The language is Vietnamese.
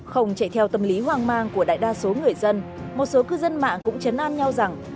không chạy theo tâm lý hoang mang của đại đa số người dân một số cư dân mạng cũng chấn an nhau rằng